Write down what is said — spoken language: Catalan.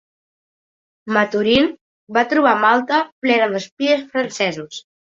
Maturin va trobar Malta plena d'espies francesos.